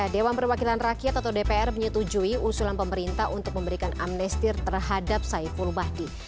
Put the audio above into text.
dewan perwakilan rakyat atau dpr menyetujui usulan pemerintah untuk memberikan amnestir terhadap saiful bahdi